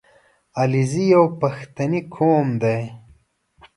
• علیزي یو پښتني قوم دی.